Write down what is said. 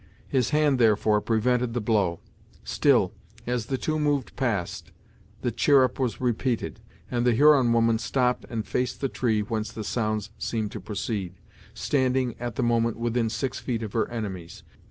His hand, therefore, prevented the blow. Still as the two moved past, the chirrup was repeated, and the Huron woman stopped and faced the tree whence the sounds seemed to proceed, standing, at the moment, within six feet of her enemies.